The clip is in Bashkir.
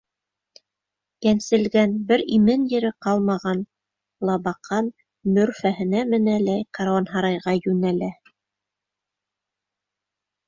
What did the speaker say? Йәнселгән, бер имен ере ҡалмаған Лабаҡан Мөрфәһенә менә лә каруанһарайға йүнәлә.